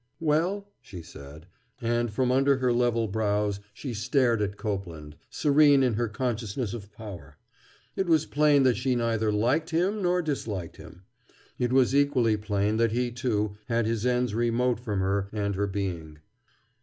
"Well?" she said. And from under her level brows she stared at Copeland, serene in her consciousness of power. It was plain that she neither liked him nor disliked him. It was equally plain that he, too, had his ends remote from her and her being.